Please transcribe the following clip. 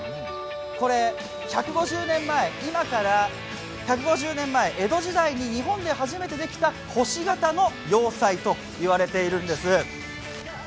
これ、今から１５０年前、江戸時代に日本で初めてできた星形の要塞と言われているんです。